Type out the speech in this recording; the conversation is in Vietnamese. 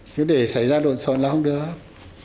chứ để xảy ra lộn xộn là không được